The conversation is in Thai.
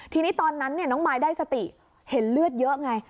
ทีนี้ตอนนั้นน้องมายได้สติเห็นเลือดเยอะไง